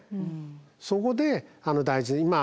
そこで大事な